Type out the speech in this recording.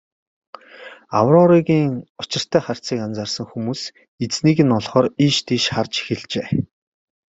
Аврорагийн учиртай харцыг анзаарсан хүмүүс эзнийг нь олохоор ийш тийш харж эхэлжээ.